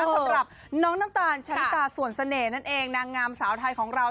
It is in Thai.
สำหรับน้องน้ำตาลชะลิตาส่วนเสน่ห์นั่นเองนางงามสาวไทยของเรา